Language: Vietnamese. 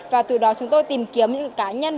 và từ đó chúng tôi tìm kiếm những cá nhân